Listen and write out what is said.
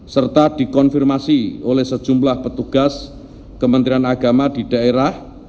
serta dikonfirmasi oleh sejumlah petugas kementerian agama di daerah